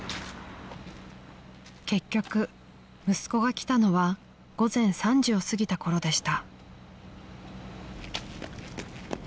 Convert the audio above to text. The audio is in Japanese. ［結局息子が来たのは午前３時を過ぎたころでした］